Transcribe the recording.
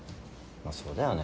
まあそうだよね。